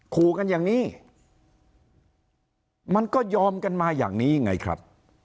ขู่กันอย่างนี้มันก็ยอมกันมาอย่างนี้ไงครับ